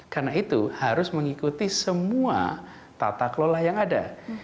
karena itu harus mengikuti semua tata kelola yang ada